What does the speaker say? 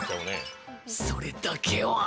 それだけは！